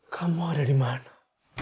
kamu ada dimana